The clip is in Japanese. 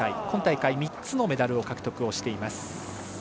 今大会３つのメダルを獲得しています。